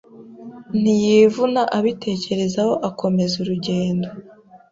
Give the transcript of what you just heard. Ntiyivuna abitekerezaho akomeza urugendo,